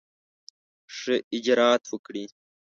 ښه اجرآت وکړي.